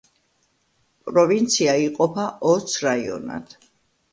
პროვინცია იყოფა ოც რაიონად.